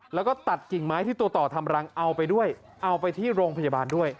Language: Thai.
แล้วก็ตัดกิ่งไม้ที่ตัวต่อทำรังเอาไปด้วยเอาไปที่โรงพยาบาลด้วย